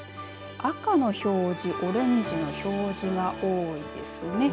赤の表示、オレンジの表示が多いですね。